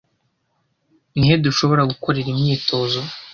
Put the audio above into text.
Nihe dushobora gukorera imyitozo